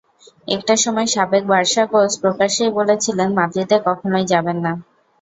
একটা সময় সাবেক বার্সা কোচ প্রকাশ্যেই বলেছিলেন, মাদ্রিদে কখনোই যাবেন না।